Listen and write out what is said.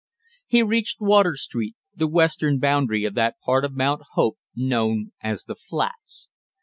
He reached Water Street, the western boundary of that part of Mount Hope known as the flats.